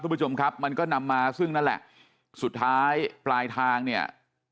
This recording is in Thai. ผู้ชมครับมันก็นำมาซึ่งนั่นแหละสุดท้ายปลายทางเนี่ย